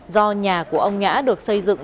do nhà của ông nhã được xây dựng